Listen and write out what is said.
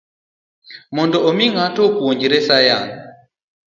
Mondo omi ng'ato opuonjre sayan